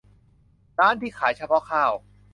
ร้านที่ขายเฉพาะข้าว